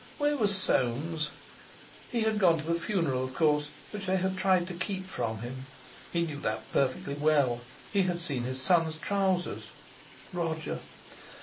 Where was Soames? He had gone to the funeral of course which they had tried to keep from him. He knew that perfectly well; he had seen his son's trousers. Roger!